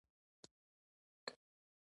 هر کلمه پښتو زموږ د تاریخ برخه ده.